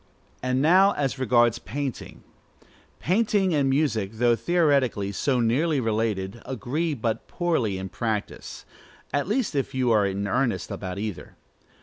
And now as regards painting: painting and music, though theoretically so nearly related, agree but poorly in practice; at least, if you are in earnest about either.